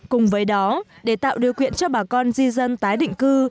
cùng với đó để tạo điều kiện cho bà con di dân tái định cư